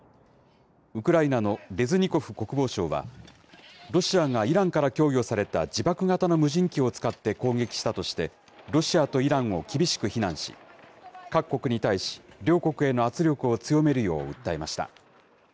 ウクライナのレズニコフ国防相は、ロシアがイランから供与された自爆型の無人機を使って攻撃したとして、ロシアとイランを厳しく非難し、各国に対し、両国への圧力を強めるよう訴えました。